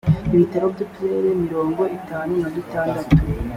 ibitaro by uturere mirongo itatu na bitandatu